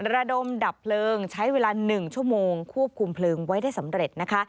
ระดมดับเพลิงใช้เวลา๑ชั่วโมงควบคุมเพลิงไว้ได้สำเร็จนะคะ